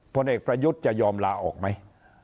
ผลเอกประยุทธ์จะยอมลาออกไหม